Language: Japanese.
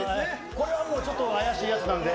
これはちょっと、怪しいやつなんで。